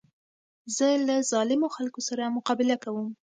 زه له ظالمو خلکو سره مقابله کوم.